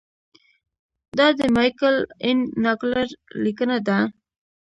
دا د مایکل این ناګلر لیکنه ده.